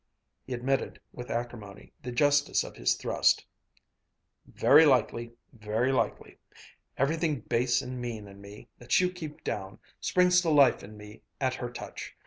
He admitted, with acrimony, the justice of this thrust. "Very likely. Very likely! everything base and mean in me, that you keep down, springs to life in me at her touch.